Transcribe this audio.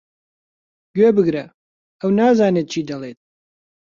گوێبگرە، ئەو نازانێت چی دەڵێت.